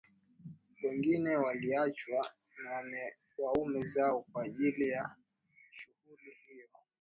Wengine waliachwa na waume zao kwaajili ya shughuli hiyo